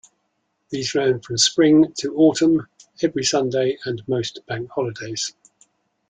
These ran from Spring to Autumn, every Sunday and most Bank Holidays.